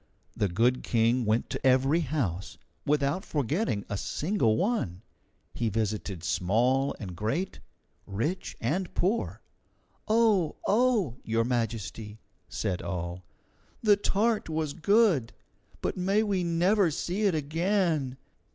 The good King went to every house, without forgetting a single one. He visited small and great, rich and poor. "Oh, oh! Your Majesty," said all, "the tart was good, but may we never see it again!